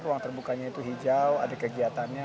ruang terbukanya itu hijau ada kegiatannya